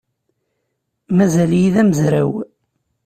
Mazal-iyi d amezraw.